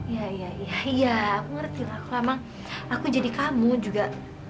iya iya iya iya aku ngerti lah kalau emang aku jadi kamu juga